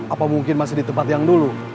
apa mungkin masih di tempat yang dulu